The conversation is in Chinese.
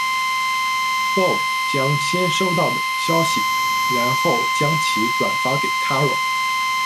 Bob 将先收到消息，然后将其转发给 Carl。